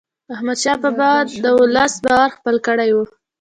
احمدشاه بابا د ولس باور خپل کړی و.